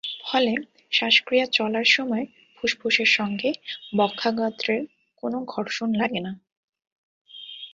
ফলে শ্বাসক্রিয়া চলার সময় ফুসফুসের সঙ্গে বক্ষাগাত্রের কোনো ঘর্ষণ লাগে না।